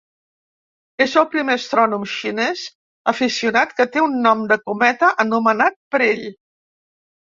És el primer astrònom xinès aficionat que té un nom de cometa anomenat per ell.